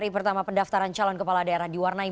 hari pertama pendaftaran calon kepala daerah diwarnai